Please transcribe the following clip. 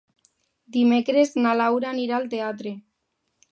Dimecres na Laura anirà al teatre.